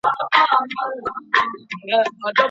د بریا ویاړ یوازي لایقو کسانو ته نه سي سپارل کېدلای.